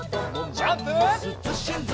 ジャンプ！